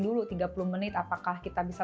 dulu tiga puluh menit apakah kita bisa